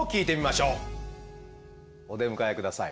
お出迎え下さい。